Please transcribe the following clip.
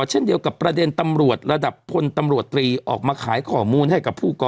เช่นเดียวกับประเด็นตำรวจระดับพลตำรวจตรีออกมาขายข้อมูลให้กับผู้ก่อ